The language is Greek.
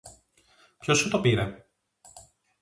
Ποιος σου το πήρε;